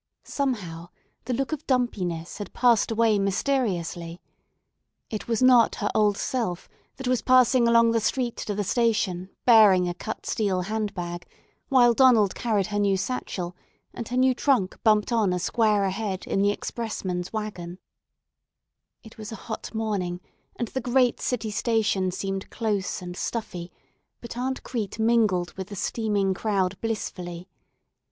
Somehow the look of dumpiness had passed away mysteriously. It was not her old self that was passing along the street to the station bearing a cut steel hand bag, while Donald carried her new satchel, and her new trunk bumped on a square ahead in the expressman's wagon. [Illustration: "SHE BEAMED UPON THE WHOLE TRAINFUL OF PEOPLE"] It was a hot morning, and the great city station seemed close and stuffy; but Aunt Crete mingled with the steaming crowd blissfully.